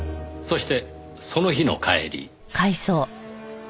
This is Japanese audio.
そしてその日の帰り。